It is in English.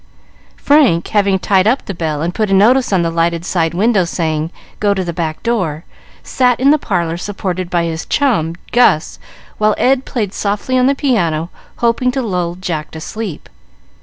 Frank, having tied up the bell and put a notice in the lighted side window, saying, "Go to the back door," sat in the parlor, supported by his chum, Gus, while Ed played softly on the piano, hoping to lull Jack to sleep.